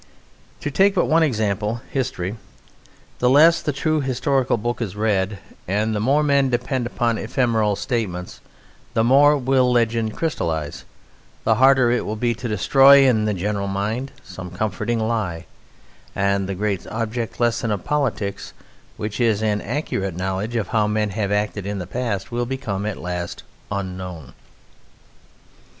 To take but one example: history. The less the true historical book is read and the more men depend upon ephemeral statement, the more will legend crystallize, the harder will it be to destroy in the general mind some comforting lie, and the great object lesson of politics (which is an accurate knowledge of how men have acted in the past) will become at last unknown.